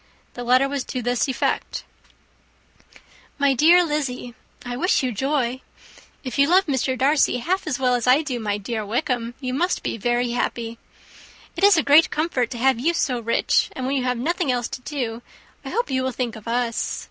The letter was to this effect: /* "My dear Lizzy, */ "I wish you joy. If you love Mr. Darcy half so well as I do my dear Wickham, you must be very happy. It is a great comfort to have you so rich; and when you have nothing else to do, I hope you will think of us.